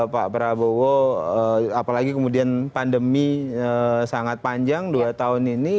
pak prabowo apalagi kemudian pandemi sangat panjang dua tahun ini